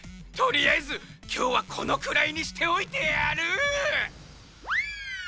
とりあえずきょうはこのくらいにしておいてやる！